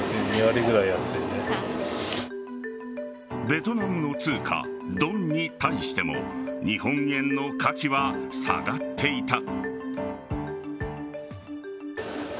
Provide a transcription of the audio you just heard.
ベトナムの通貨ドンに対しても日本円の価値は下がっていた。